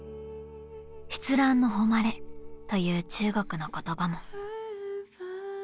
［出藍の誉れという中国の言葉も］